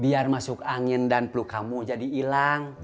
biar masuk angin dan peluk kamu jadi ilang